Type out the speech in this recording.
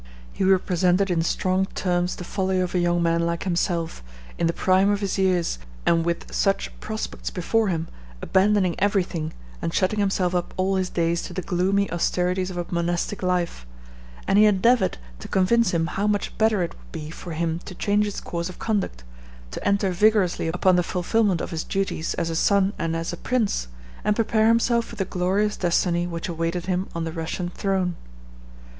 He represented in strong terms the folly of a young man like himself, in the prime of his years, and with such prospects before him, abandoning every thing, and shutting himself up all his days to the gloomy austerities of a monastic life; and he endeavored to convince him how much better it would be for him to change his course of conduct, to enter vigorously upon the fulfillment of his duties as a son and as a prince, and prepare himself for the glorious destiny which awaited him on the Russian throne.